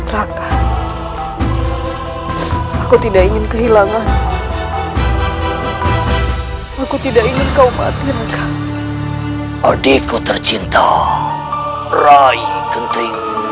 raka aku tidak ingin kehilangan aku tidak ingin kau matinkan adikku tercinta rai genting